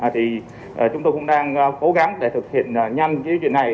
thì chúng tôi cũng đang cố gắng để thực hiện nhanh cái chuyện này